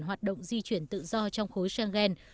hoạt động di chuyển tự do trong khối trangeng